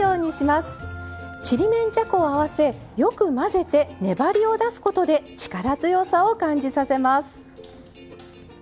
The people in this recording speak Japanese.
ちりめんじゃこを合わせよく混ぜて粘りを出すことで力強さを感じさせます。